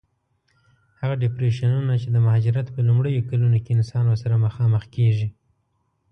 هغه ډېپریشنونه چې د مهاجرت په لومړیو کلونو کې انسان ورسره مخ کېږي.